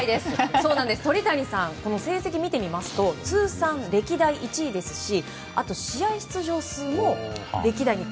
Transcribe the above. そうなんです、鳥谷さん成績を見てみますと通算歴代１位ですし試合出場数も歴代２位。